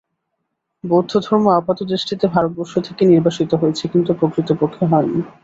বৌদ্ধধর্ম আপাতদৃষ্টিতে ভারতবর্ষ থেকে নির্বাসিত হয়েছে, কিন্তু প্রকৃতপক্ষে হয়নি।